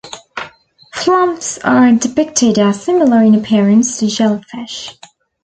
Flumphs are depicted as similar in appearance to jellyfish.